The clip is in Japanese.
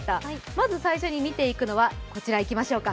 まず最初に見ていくのは、こちらいきましょうか。